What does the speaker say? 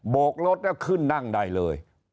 กรถแล้วขึ้นนั่งได้เลย